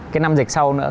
cái năm dịch sau nữa